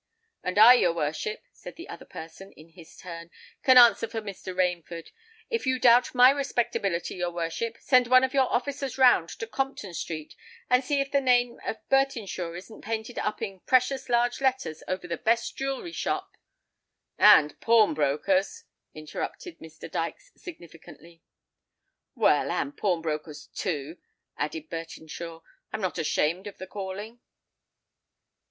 "And I, your worship," said the other person, in his turn, "can answer for Mr. Rainford. If you doubt my respectability, your worship, send one of your officers round to Compton Street, and see if the name of Bertinshaw isn't painted up in precious large letters over the best jeweller's shop——" "And pawnbroker's," interrupted Mr. Dykes significantly. "Well—and pawnbroker's, too," added Bertinshaw: "I'm not ashamed of the calling."